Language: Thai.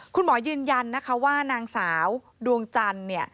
คุณหมอยืนยันนะคะว่านางสาวดวงจันทร์